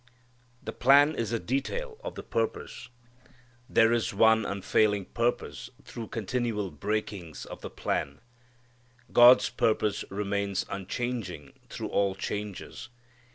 The plan is a detail of the purpose. There is one unfailing purpose through continual breakings of the plan. God's purpose remains unchanging through all changes.